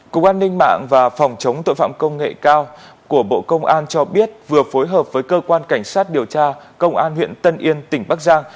cục an ninh mạng và phòng chống tội phạm công nghệ cao của bộ công an cho biết vừa phối hợp với cơ quan cảnh sát điều tra công an huyện tân yên tỉnh bắc giang